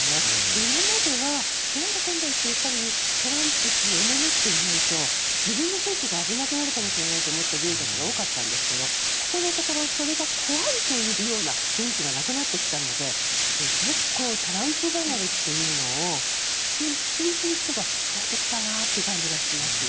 今まではなんだかんだ言ってトランプ氏におもねっていないと自分の選挙が危なくなるかもしれないと思っていた議員が多かったんですがここのところそれが怖いというような雰囲気がなくなってきたので結構、トランプ離れというのを普通に口にする人が増えてきたなという気がしますね。